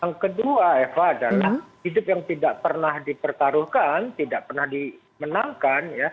yang kedua eva adalah hidup yang tidak pernah dipertaruhkan tidak pernah dimenangkan